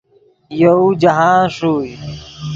یوؤ جاہند ݰوئے